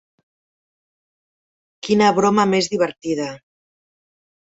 Quina broma més divertida.